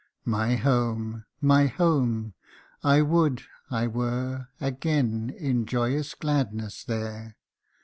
My home ! my home ! I would I were Again in joyous gladness there